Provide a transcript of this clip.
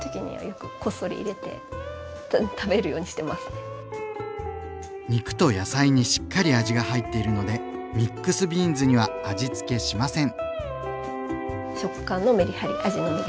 なかなか肉と野菜にしっかり味が入っているのでミックスビーンズには味つけしません。